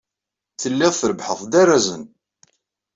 Telliḍ trebbḥeḍ-d arrazen.